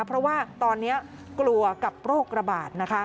เพราะว่าตอนนี้กลัวกับโรคระบาดนะคะ